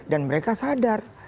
dan mereka sadar